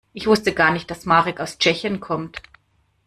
Ich wusste gar nicht, dass Marek aus Tschechien kommt.